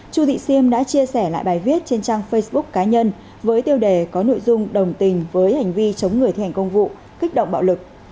chu thị siêm đã chia sẻ lại bài viết trên trang facebook cá nhân với tiêu đề có nội dung đồng tình với hành vi chống người thi hành công vụ kích động bạo lực